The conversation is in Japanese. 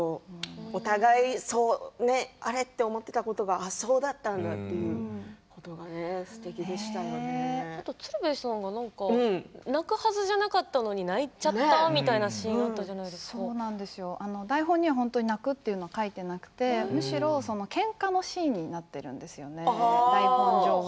お互いがあれ？と思っていたことがそうだったんだっていうのが鶴瓶さんが泣くはずじゃなかったのに泣いちゃったみたいな台本には本当に泣くと書いていなくてむしろけんかのシーンになっているんですよね、台本上は。